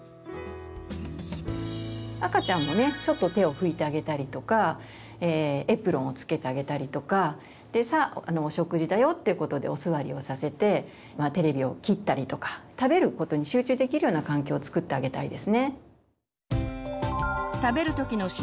赤ちゃんもねちょっと手を拭いてあげたりとかエプロンをつけてあげたりとか「さあお食事だよ」っていうことでお座りをさせてテレビを切ったりとか食べることに集中できるような環境をつくってあげたいですね。